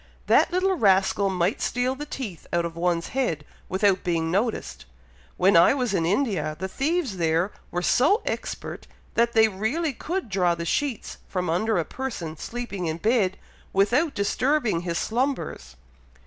That little rascal might steal the teeth out of one's head, without being noticed! When I was in India, the thieves there were so expert that they really could draw the sheets from under a person sleeping in bed, without disturbing his slumbers."